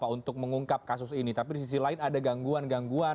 untuk mengungkap kasus ini tapi di sisi lain ada gangguan gangguan